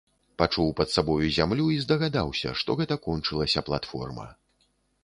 Пачуў пад сабою зямлю і здагадаўся, што гэта кончылася платформа.